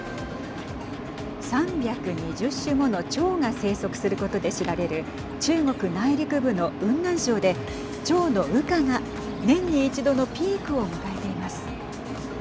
３２０種ものチョウが生息することで知られる中国内陸部の雲南省でチョウの羽化が年に一度のピークを迎えています。